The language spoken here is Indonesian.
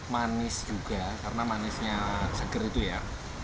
manis juga karena manisnya seger itu ya